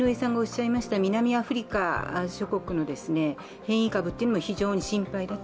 南アフリカ諸国の変異株も非常に心配だと。